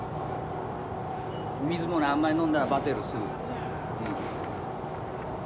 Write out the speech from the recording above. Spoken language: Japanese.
水もなあんまり飲んだらバテるすぐ。